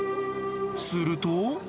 すると。